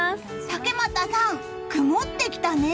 竹俣さん、曇ってきたね。